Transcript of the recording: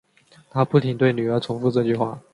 她不停对女儿重复这句话